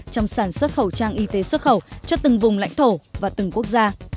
trong sản xuất khẩu trang y tế xuất khẩu cho từng vùng lãnh thổ và từng quốc gia